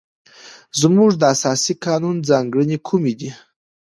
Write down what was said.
زموږ د اساسي قانون ځانګړنې کومې دي؟